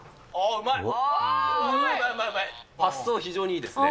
うまい、発想非常にいいですね。